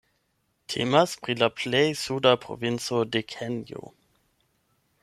Temas pri la plej suda provinco de Kenjo.